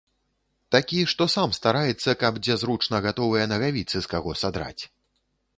Такі, што сам стараецца, каб дзе зручна гатовыя нагавіцы з каго садраць.